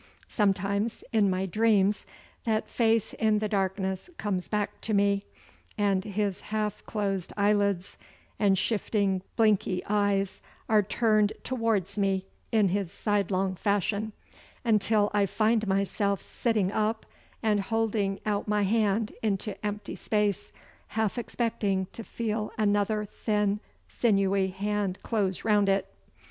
Sometimes in my dreams that face in the darkness comes back to me, and his half closed eyelids and shifting, blinky eyes are turned towards me in his sidelong fashion, until I find myself sitting up and holding out my hand into empty space, half expecting to feel another thin sinewy hand close round it.